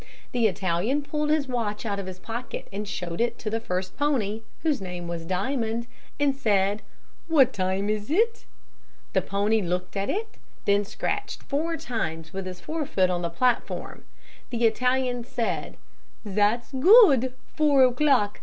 The Italian pulled his watch out of his pocket and showed it to the first pony, whose name was Diamond, and said, 'What time is it?' The pony looked at it, then scratched four times with his forefoot on the platform. The Italian said, 'Zat's good four o'clock.